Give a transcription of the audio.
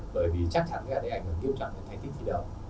bởi vì chắc chắn cái hành tinh thật kêu chẳng có thay tích gì đâu